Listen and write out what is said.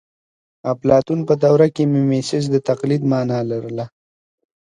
اپلاتون په دوره کې میمیسیس د تقلید مانا لرله